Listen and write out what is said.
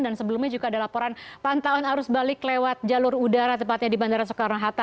dan sebelumnya juga ada laporan pantauan arus balik lewat jalur udara tepatnya di bandara soekarno hatta